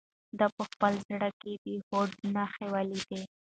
ده په خپل زړه کې د هوډ نښې ولیدلې.